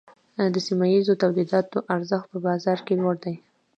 د سیمه ییزو تولیداتو ارزښت په بازار کې لوړ دی۔